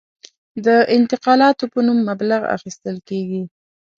د انتقالاتو په نوم مبلغ اخیستل کېږي.